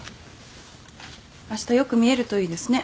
あしたよく見えるといいですね